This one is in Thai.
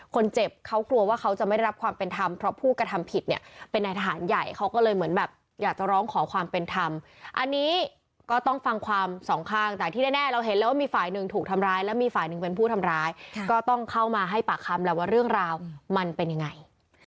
คนเจ็บเขากลัวว่าเขาจะไม่ได้รับความเป็นธรรมเพราะผู้กระทำผิดเนี่ย